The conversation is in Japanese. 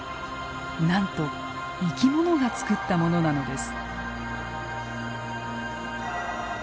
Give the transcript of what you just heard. なんと生き物がつくったものなのです。